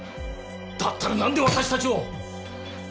だったらなんで私たちを！